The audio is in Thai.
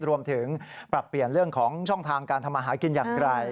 รวมถึงปรับเปลี่ยนเรื่องของช่องทางการทำอาหารกินอย่างไกล